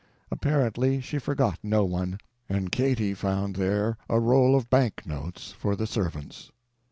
Apparently she forgot no one. And Katy found there a roll of bank notes, for the servants.